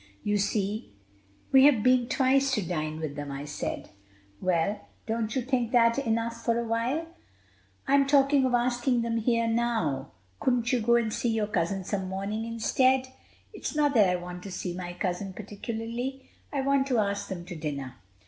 "You see, we have been twice to dine with them," I said. "Well, don't you think that enough for a while?" "I'm talking of asking them here now." "Couldn't you go and see your cousin some morning instead?" "It's not that I want to see my cousin particularly. I want to ask them to dinner."